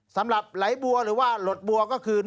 สำหรับไหลบัวหรือว่าหลดบัวก็คือ